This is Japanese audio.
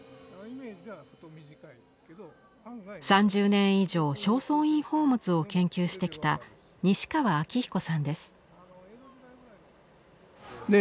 ３０年以上正倉院宝物を研究してきた西川明彦さんです。